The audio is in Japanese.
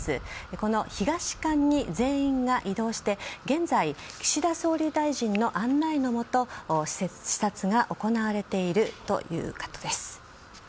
この東館に全員が移動して現在、岸田総理の案内のもと視察が行われているという形です。